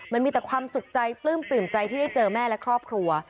มันมีแต่ความสุขใจปลื้มปลื้มใจที่ได้เจอแม่และครอบครัว